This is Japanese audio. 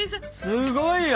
すごいよ！